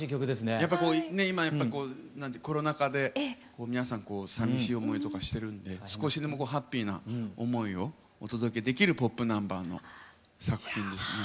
やっぱりこう今コロナ禍で皆さんさみしい思いとかしてるんで少しでもハッピーな思いをお届けできるポップナンバーの作品にしてね。